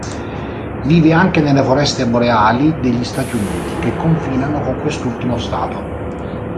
Vive anche nelle foreste boreali degli Stati Uniti che confinano con quest'ultimo stato.